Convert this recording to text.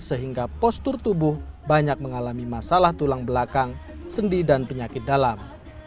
sehingga postur tubuh banyak mengalami masalah tulang belakang sendi dan penyakit dalam